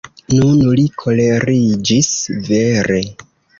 Nun li koleriĝis vere.